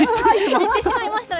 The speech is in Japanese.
行ってしまいましたね。